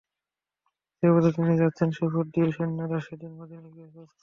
যে পথে তিনি যাচ্ছেন সে পথ দিয়েই সৈন্যরা সেদিন মদীনায় পৌঁছেছিল।